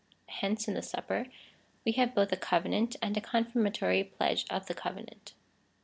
Hence, in the Supper, we have both a covenant, and a confirmatory pledge of the covenant.